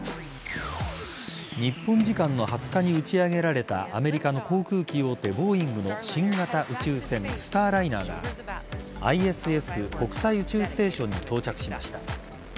日本時間の２０日に打ち上げられたアメリカの航空機大手ボーイングの新型宇宙船「スターライナー」がＩＳＳ＝国際宇宙ステーションに到着しました。